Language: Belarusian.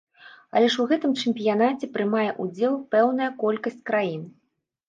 Але ж у гэтым чэмпіянаце прымае ўдзел пэўная колькасць краін.